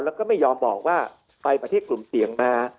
แล้วก็ไม่ยอมบอกว่าไปประเทศกลุ่มเสี่ยงมา